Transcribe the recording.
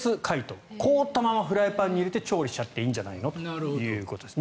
凍ったままフライパンに入れて調理しちゃっていいんじゃないのということです。